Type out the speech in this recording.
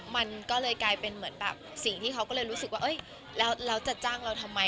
มันก็เลยกลายเป็นเหมือนแบบสิ่งที่เขาก็เลยรู้สึกว่าแล้วจะจ้างเราทำไม